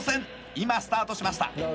今スタートしました